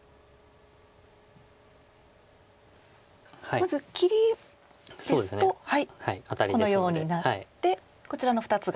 まず切りですとこのようになってこちらの２つが。